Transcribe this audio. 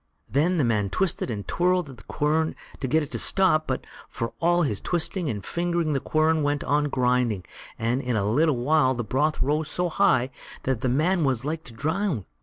Then the man twisted and twirled at the quern to get it to stop, but for all his twisting and fingering the quern went on grinding, and in a little while the broth rose so high that the man was like to drown.